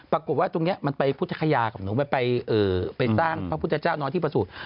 ปรากฏว่าตรงนี้มันไปพุทธคยากับหนูไปสร้างพระพุทธเจ้าน้อยที่ประสูจน์